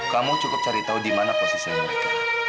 kamu cukup cari tahu di mana posisi mereka